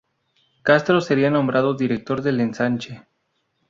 Castro sería nombrado director del Ensanche.